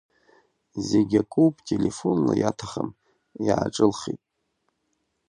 Зегьакоуп телефонла иаҭахым, иааҿылхит.